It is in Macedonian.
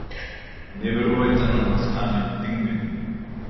Не верувајте на насмеаниот пингвин.